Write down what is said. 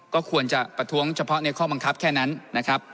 ก็ควรจะประท้วงเฉพาะในข้อบังคับแค่นั้นนะครับ